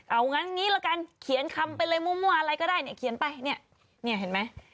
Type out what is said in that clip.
เอางั้นงี้ละกันเขียนคำไปเลยมั่วอะไรก็ได้เนี่ยเขียนไปเนี่ยเนี่ยเห็นไหม